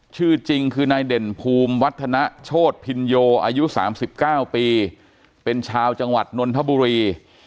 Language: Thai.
ชื่อจริงคือนายเด่นภูมิวัฒนโชธพินโยอายุ๓๙ปีเป็นชาวจังหวัดนนทบุรี